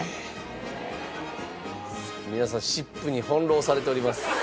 皆さん湿布に翻弄されております。